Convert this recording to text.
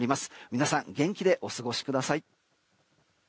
皆さん元気でお過ごしください。